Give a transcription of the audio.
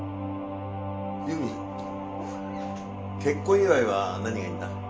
結婚祝いは何がいいんだ？